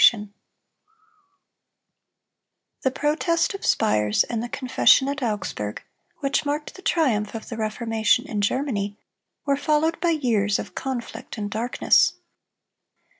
] The Protest of Spires and the Confession at Augsburg, which marked the triumph of the Reformation in Germany, were followed by years of conflict and darkness.